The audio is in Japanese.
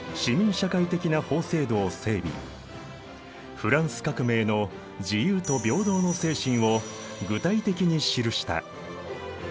フランス革命の自由と平等の精神を具体的に記した。